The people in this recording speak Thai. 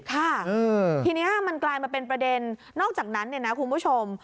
ค่ะทีนี้มันกลายมาเป็นประเด็นนอกจากนั้นเนี่ยนะคุณผู้ชม